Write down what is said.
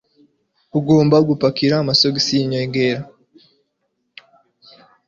Ugomba gupakira amasogisi yinyongera.